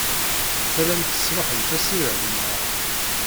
Tellamt tesṛuḥemt assirem, naɣ?